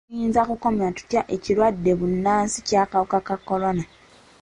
Tuyinza kukomya tutya ekirwadde bbunansi eky'akawuka ka kolona?